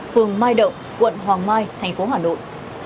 phường mai động quận hoàng mai thành phố hà nội